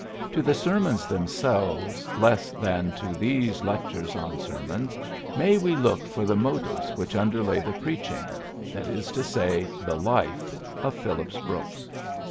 To the sermons themselves less than to these lectures on sermons may we look for the motives which underlay the preaching that is to say, the life of Phillips Brooks.